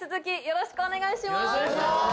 よろしくお願いします